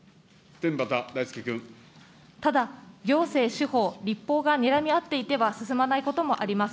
ただ、行政、司法、立法がにらみ合っていては進まないこともあります。